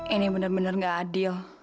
ini benar benar nggak adil